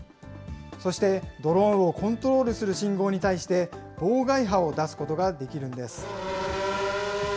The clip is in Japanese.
そしてドローンをコントロールする信号に対して、妨害波を出すことができるんです。